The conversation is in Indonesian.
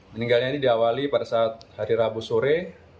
meninggalnya ini diawali pada saat hari rabu sore